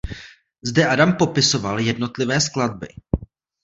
Zde Adam popisoval jednotlivé skladby.